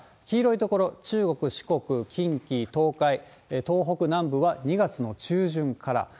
黄色い所、中国、四国、近畿、東海、東北南部は２月の中旬から。